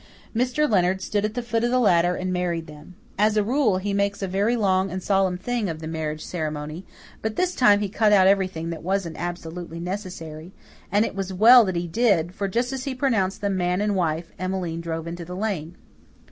Mr. Leonard stood at the foot of the ladder and married them. As a rule, he makes a very long and solemn thing of the marriage ceremony, but this time he cut out everything that wasn't absolutely necessary; and it was well that he did, for just as he pronounced them man and wife, Emmeline drove into the lane.